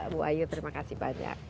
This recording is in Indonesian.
bu ayu terima kasih banyak